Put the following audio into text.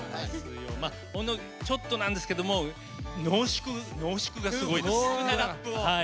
本当にちょっとなんですけど濃縮がすごいです。